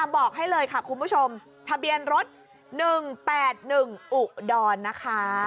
บอกให้เลยค่ะคุณผู้ชมทะเบียนรถ๑๘๑อุดรนะคะ